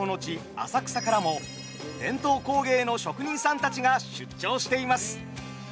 浅草からも伝統工芸の職人さんたちが出張しています。